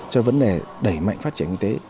cho vấn đề đẩy mạnh phát triển y tế